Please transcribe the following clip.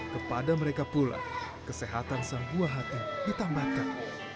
kepada mereka pula kesehatan sebuah hati ditambahkan